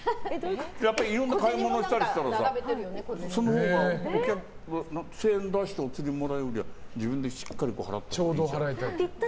やっぱりいろんな買い物したりしたらさ１０００円出しておつりもらうよりは自分でしっかり払ったほうが。